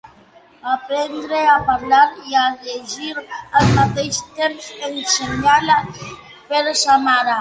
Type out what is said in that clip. Va aprendre a parlar i a llegir al mateix temps, ensenyada per sa mare.